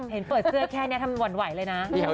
เห็นเปิดเสื้อแค่นี้ทำหวั่นไหวเลยนะ